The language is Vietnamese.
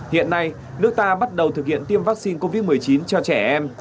hiện nay nước ta bắt đầu thực hiện tiêm vaccine covid một mươi chín cho trẻ em